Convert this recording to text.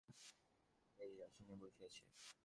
আল্লাহই তাকে এই আসনে বসিয়েছে।